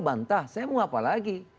bantah saya mau apa lagi